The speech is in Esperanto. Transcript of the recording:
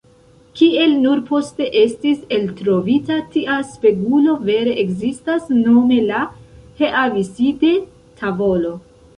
Kiel nur poste estis eltrovita, tia spegulo vere ekzistas, nome la Heaviside-tavolo.